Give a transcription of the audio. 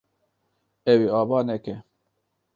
Ew ê ava neke.